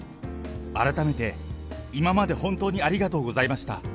改めて今まで本当にありがとうございました。